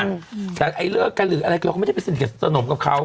คุยไม่ดังไหร่เหลืออะไรกันมาก็ไม่ใช่เสนอขนมกับเขา